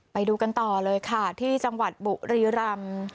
ไปดูกันต่อเลยค่ะที่จังหวัดบุรีรำ